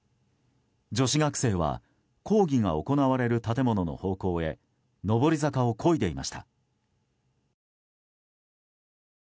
女子学生は講義が行われる建物の方向へ上り坂をこいでいました。